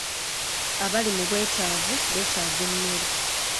Abali mu bwetaavu beetaaga emmere.